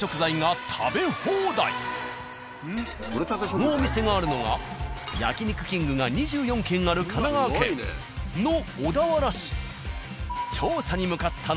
そのお店があるのが「焼肉きんぐ」が２４軒ある神奈川県の小田原市。